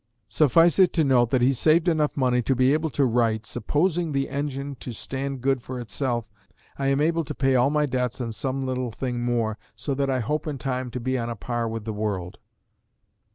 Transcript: Suffice it to note that he saved enough money to be able to write, "Supposing the engine to stand good for itself, I am able to pay all my debts and some little thing more, so that I hope in time to be on a par with the world."